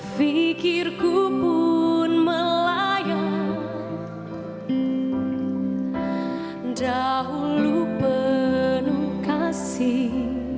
pikirku pun melayang dahulu penuh kasih